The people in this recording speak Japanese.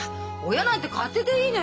親なんて勝手でいいのよ。